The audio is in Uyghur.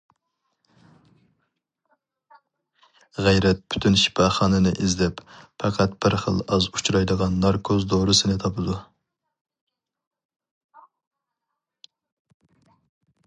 غەيرەت پۈتۈن شىپاخانىنى ئىزدەپ، پەقەت بىر خىل ئاز ئۇچرايدىغان ناركوز دورىسىنى تاپىدۇ.